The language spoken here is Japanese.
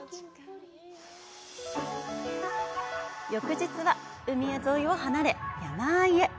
翌日は、海沿いを離れ山あいへ。